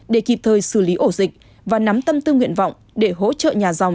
để kịp thời xử lý ổ dịch và nắm tâm tư nguyện vọng để hỗ trợ nhà dòng